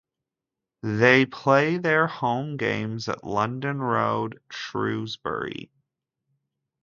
They play their home games at London Road, Shrewsbury.